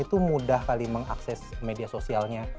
itu mudah kali mengakses media sosialnya